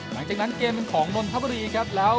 หลังจากนั้นเกมเป็นของนนทบุรีครับแล้ว